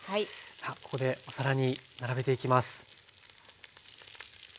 さあここでお皿に並べていきます。